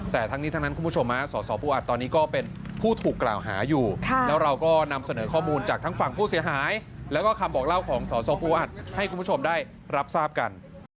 แต่ทั้งนี้ทั้งนั้นคุณผู้ชมสสปูอัดตอนนี้ก็เป็นผู้ถูกกล่าวหาอยู่แล้วเราก็นำเสนอข้อมูลจากทั้งฝั่งผู้เสียหายแล้วก็คำบอกเล่าของสสปูอัดให้คุณผู้ชมได้รับทราบกัน